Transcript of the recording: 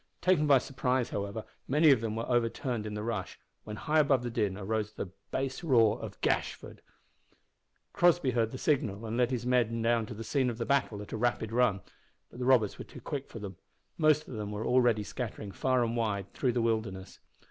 Taken by surprise, however, many of them were overturned in the rush, when high above the din arose the bass roar of Gashford. Crossby heard the signal and led his men down to the scene of battle at a rapid run. But the robbers were too quick for them; most of them were already scattering far and wide through the wilderness.